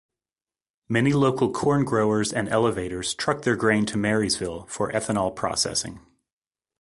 Many local corn growers and elevators truck their grain to Marysville for ethanol processing.